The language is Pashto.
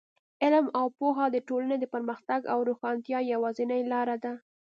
علم او پوهه د ټولنې د پرمختګ او روښانتیا یوازینۍ لاره ده.